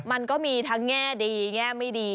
มันก็มีทั้งแง่ดีแง่ไม่ดี